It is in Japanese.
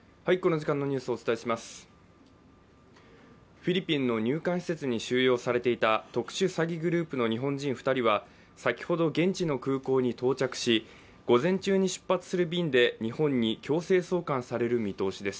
フィリピンの入管施設に収容されていた特殊詐欺グループの日本人２人は先ほど現地の空港に到着し午前中に出発する便で日本に強制送還される見通しです。